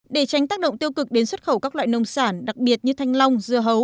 để tránh tác động tiêu cực đến xuất khẩu các loại nông sản đặc biệt như thanh long dưa hấu